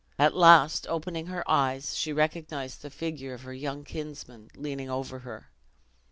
At last opening her eyes, she recognized the figure of her young kinsman leaning over her.